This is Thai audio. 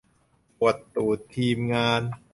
ปวดตูด ทีมงาน